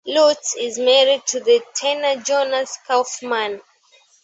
Lutz is married to the tenor Jonas Kaufmann.